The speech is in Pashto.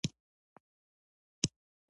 مور د کور ډېوه ده.